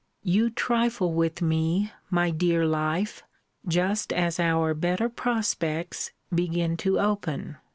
You trifle with me, my dear life, just as our better prospects begin to open.